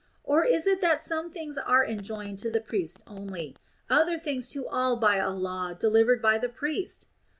Or is it that some things are enjoined to the priest only, other things to all by a law delivered by the priest?